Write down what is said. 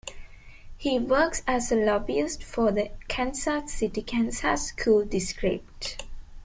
He works as a lobbyist for the Kansas City Kansas School District.